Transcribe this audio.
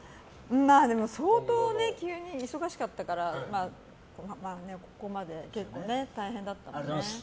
相当、急に忙しかったからここまで結構大変だったよね。